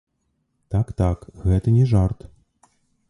Так-так, гэта не жарт.